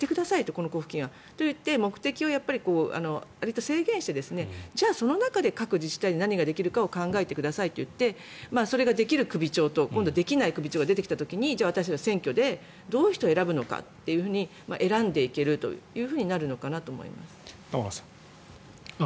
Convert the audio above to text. この交付金はといって目的を制限してその中で各自治体で何ができるかを考えてくださいと言ってそれができる首長と今度はできない首長が出てきた時に私たちは選挙でどういう人を選ぶのかということで選んでいけるというふうになるのかなと思います。